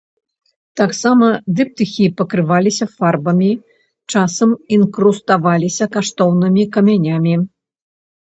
Таксама дыптыхі пакрываліся фарбамі, часам інкруставаліся каштоўнымі камянямі.